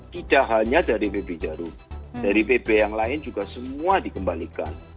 tidak hanya dari pb jarum dari pb yang lain juga semua dikembalikan